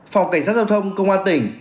phòng cảnh sát giao thông công an tỉnh